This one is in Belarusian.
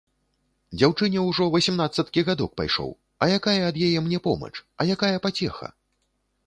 Дзяўчыне ўжо васемнаццаткі гадок пайшоў, а якая ад яе мне помач, а якая пацеха?!